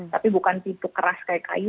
tapi bukan pintu keras kayak kayu